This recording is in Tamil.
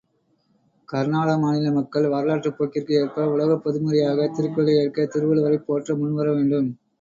கர்நாடக மாநில மக்கள் வரலாற்றுப் போக்கிற்கு ஏற்ப, உலகப்பொதுமறையாகத் திருக்குறளை ஏற்க, திருவள்ளுவரைப் போற்ற முன் வரவேண்டும்.